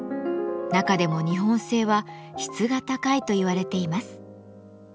中でも日本製は質が高いといわれています。